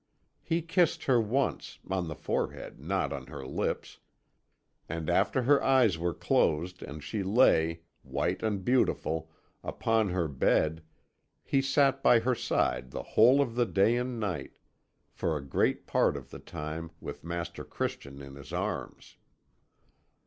He kissed her once on her forehead, not on her lips and after her eyes were closed and she lay, white and beautiful, upon her bed, he sat by her side the whole of the day and night for a great part of the time with Master Christian in his arms.